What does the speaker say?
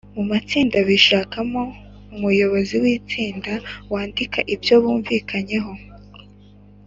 mu matsinda bishakamo umuyobozi w’itsinda wandika ibyo bumvikanyeho